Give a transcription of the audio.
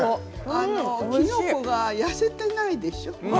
きのこが痩せていないでしょ？